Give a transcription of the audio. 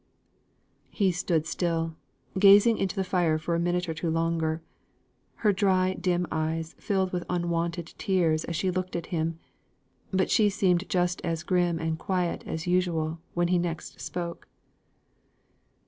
He stood still, gazing into the fire for a minute or two longer. Her dry dim eyes filled with unwonted tears as she looked at him; but she seemed just as grim and quiet as usual when he next spoke.